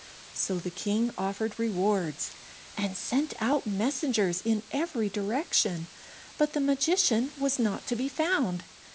So the king offered rewards, and sent out messengers in every direction, but the magician was not to be found.